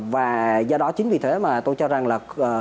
và do đó chính vì thế mà tôi cho rằng là